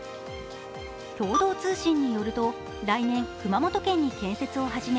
共同通信によると来年熊本県に建設をはじめ